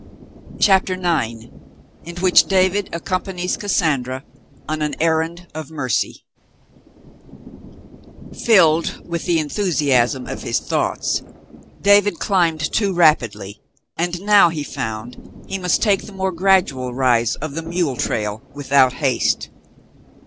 CHAPTER IX IN WHICH DAVID ACCOMPANIES CASSANDRA ON AN ERRANT OF MERCY Filled with the enthusiasm of his thoughts, David cHmbed too rapidly, and now he found he must take the more gradual rise of the mule trail without haste.